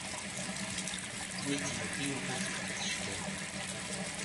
Mi d-yuki yufa-t-id d cckal!